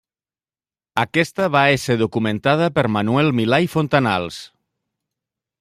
Aquesta va ésser documentada per Manuel Milà i Fontanals.